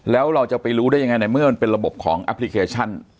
แล้วเราจะไปรู้ได้ยังไงในเมื่อมันเป็นระบบของแอปพลิเคชัน